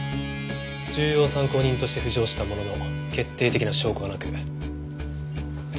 重要参考人として浮上したものの決定的な証拠がなく逮捕には至らなかった。